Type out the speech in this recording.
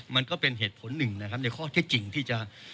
มันก็เป็นเหตุผลหนึ่งนะครับในข้อเท็จจริงที่จะ